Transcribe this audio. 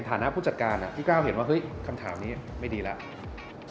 ฐานะผู้จัดการพี่ก้าวเห็นว่าเฮ้ยคำถามนี้ไม่ดีแล้ว